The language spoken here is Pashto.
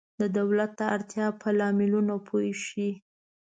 د دولت د اړتیا په لاملونو پوه شئ.